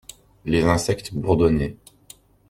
Les insectes bourdonnaient.